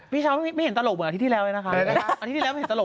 พี่เช้าไม่เห็นตลกเหมือนอาทิตย์ที่แล้วเลยนะคะ